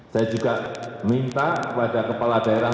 saya juga minta kepada kepala daerah